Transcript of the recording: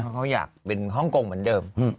เขาอยากเป็นห้องกงเหมือนเดิม